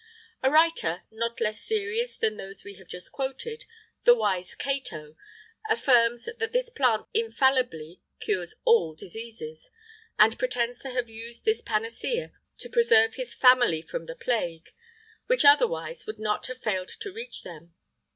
[IX 15] A writer, not less serious than those we have just quoted, the wise Cato, affirms that this plant infallibly cures all diseases; and pretends to have used this panacea to preserve his family from the plague, which, otherwise, would not have failed to reach them.